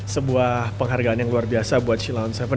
sebuah penghargaan yang luar biasa buat silon tujuh